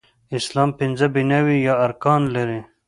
اسلام پنځه بناوې يا ارکان لري